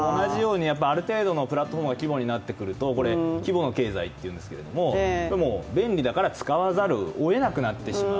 ある程度のプラットフォームの規模になってくると規模の経済っていうんですけど便利だから使わざるをえなくなってしまう。